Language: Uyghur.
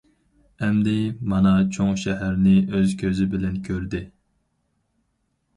ئەمدى مانا چوڭ شەھەرنى ئۆز كۆزى بىلەن كۆردى.